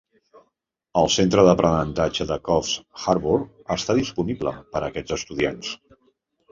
El Centre d'aprenentatge de Coffs Harbour està disponible per a aquests estudiants.